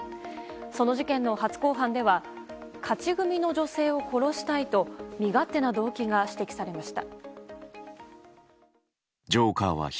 その事件の初公判では勝ち組みの女性を殺したいと身勝手な動機が指摘されました。